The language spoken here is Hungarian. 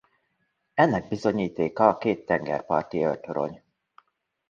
Ennek bizonyítéka a két tengerparti őrtorony.